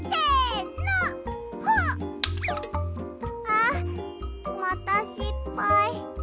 あまたしっぱい。